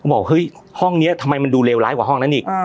บอกเฮ้ยห้องนี้ทำไมมันดูเลวร้ายกว่าห้องนั้นอีก